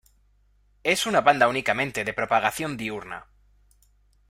Es una banda únicamente de propagación diurna.